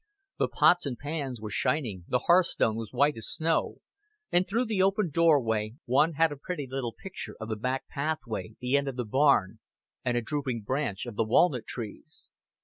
The pots and pans were shining, the hearthstone was white as snow, and through the open doorway one had a pretty little picture of the back pathway, the end of the barn, and a drooping branch of the walnut trees.